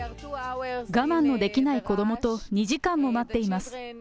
我慢のできない子どもと２時間も待っています。